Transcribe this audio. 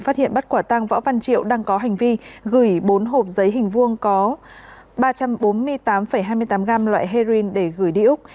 phát hiện bắt quả tăng võ văn triệu đang có hành vi gửi bốn hộp giấy hình vuông có ba trăm bốn mươi tám hai mươi tám gram loại heroin để gửi đi úc